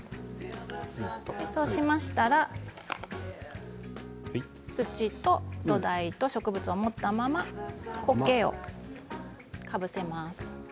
そうしましたら土と土台と植物を持ったままコケをかぶせます。